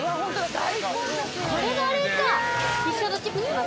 これがあれか！